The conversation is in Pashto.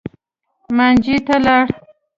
مانجې ته لاړ.